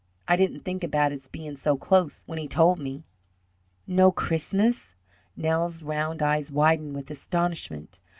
I didn't think about it's being so close when he told me." "No Christmas!" Nels' round eyes widened with astonishment.